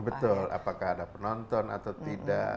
betul apakah ada penonton atau tidak